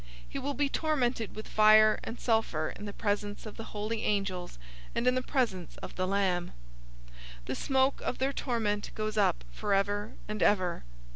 He will be tormented with fire and sulfur in the presence of the holy angels, and in the presence of the Lamb. 014:011 The smoke of their torment goes up forever and ever.